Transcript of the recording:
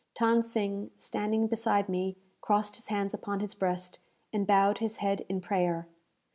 Than Sing, standing beside me, crossed his hands upon his breast, and bowed his head in prayer.